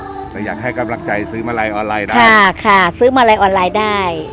แต่อยากให้กำลังใจซื้อมาลัยออนไลน์ได้ค่ะค่ะซื้อมาลัยออนไลน์ได้